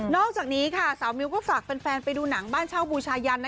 อกจากนี้ค่ะสาวมิวก็ฝากแฟนไปดูหนังบ้านเช่าบูชายัน